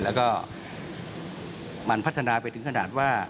แล้วก็มันพัฒนาไปถึงขนาดว่า